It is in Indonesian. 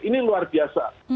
ini luar biasa